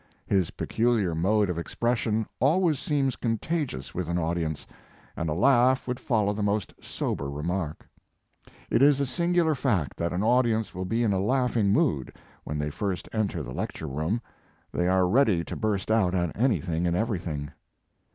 His peculiar mode of expression always seems contagious with an audience, and a laugh would follow the most sober re mark. It is a singular fact that an audi ence will be in a laughing mood, when they first enter the lecture room; they are ready to burst out at anything and everything.